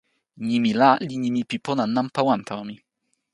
nimi "la" li nimi pi pona nanpa wan tawa mi.